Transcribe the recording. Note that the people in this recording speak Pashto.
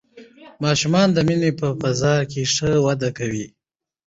ماشومان د مینې په فضا کې ښه وده کوي